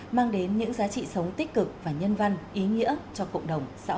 mang đến những giá trị sống tích cực và nhân văn ý nghĩa cho cộng đồng xã hội